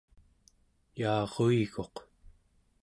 yaaruiguq